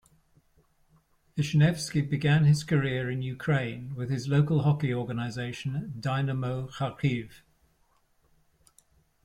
Vishnevsky began his career in Ukraine with his local hockey organization, Dynamo Kharkiv.